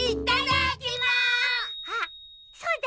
あっそうだ！